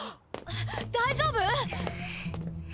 大丈夫？